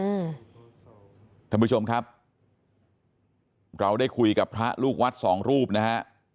ท่านผู้ชมครับเราได้คุยกับพระลูกวัดสองรูปนะฮะ